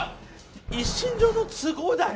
一身上の都合だよ。